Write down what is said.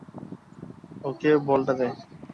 ওকে বলটা দে।